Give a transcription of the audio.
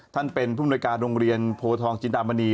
ท่านเป็นผู้มนวยการโรงเรียนโพทองจินดามณี